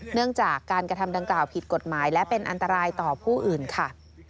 เนื่องจากการกระทำดังกล่าวผิดกฎหมายและเป็นอันตรายต่อผู้อื่นค่ะ